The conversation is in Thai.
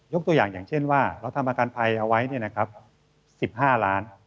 ยกตัวอย่างอย่างเช่นว่าเราทำประกันภัยเอาไว้เนี่ยนะครับ๑๕ล้าน